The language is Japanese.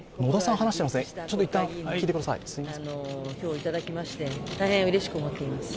票をいただきまして大変うれしく思っています。